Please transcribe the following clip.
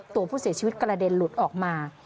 ตัวผู้เสียชีวิตกระเด็นหลุดออกมา